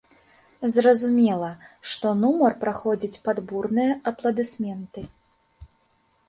Зразумела, што нумар праходзіць пад бурныя апладысменты.